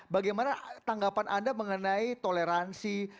bagaimana tanggapan anda mengenai toleransi